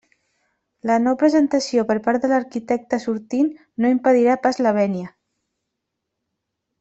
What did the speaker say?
La no presentació per part de l'arquitecte sortint no impedirà pas la vènia.